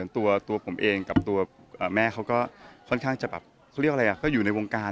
ถ้าน้องจะเริ่มเข้ามาเหยียบในวงการ